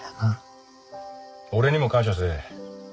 俺にも感謝せえ。